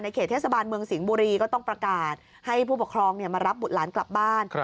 เขตเทศบาลเมืองสิงห์บุรีก็ต้องประกาศให้ผู้ปกครองมารับบุตรหลานกลับบ้าน